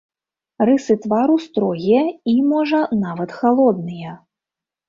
Рысы твару строгія і, можа, нават халодныя.